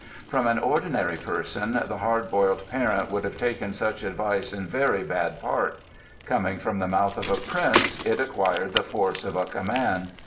From an ordinary person the hard boiled parent would have taken such advice in very bad part; coming from the mouth of a prince it acquired the force of a command.